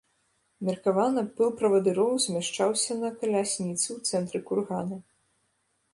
Меркавана, пыл правадыроў змяшчаўся на калясніцы ў цэнтры кургана.